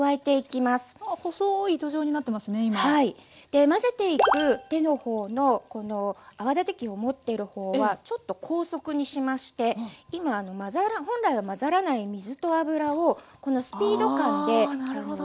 で混ぜていく手の方の泡立て器を持っている方はちょっと高速にしまして今本来は混ざらない水と油をこのスピード感で力ずくでですね。